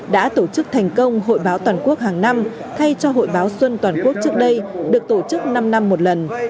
đã tổ chức thành công hội báo toàn quốc hàng năm thay cho hội báo xuân toàn quốc trước đây được tổ chức năm năm một lần